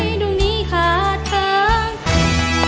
ที่บอกที่บอกใจยังไง